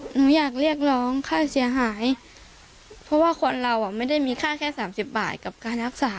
หนูอยากเรียกร้องค่าเสียหายเพราะว่าคนเราอ่ะไม่ได้มีค่าแค่สามสิบบาทกับการรักษา